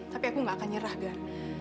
tapi aku gak akan nyerah kan